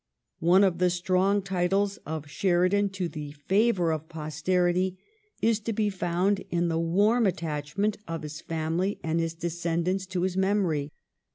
One of the strong titles of Sheridan to the favor of pos terity is to be found in the warm attachment of his family and his descendants to his memory.